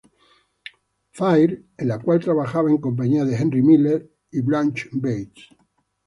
Fair", en la cual trabajaba en compañía de Henry Miller y Blanche Bates.